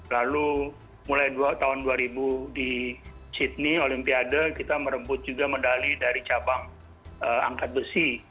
lalu mulai tahun dua ribu di sydney olimpiade kita merebut juga medali dari cabang angkat besi